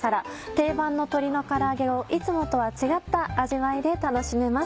定番の鶏のから揚げをいつもとは違った味わいで楽しめます。